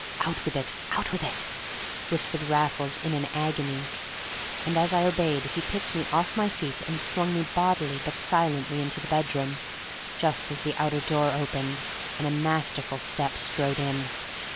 "Out with it—out with it!" whispered Raffles in an agony; and as I obeyed he picked me off my feet and swung me bodily but silently into the bedroom, just as the outer door opened, and a masterful step strode in.